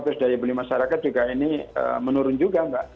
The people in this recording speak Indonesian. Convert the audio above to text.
terus daya beli masyarakat juga ini menurun juga mbak